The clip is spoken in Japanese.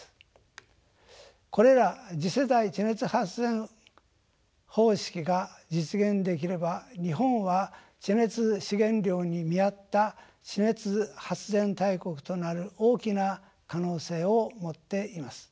これら次世代地熱発電方式が実現できれば日本は地熱資源量に見合った地熱発電大国となる大きな可能性を持っています。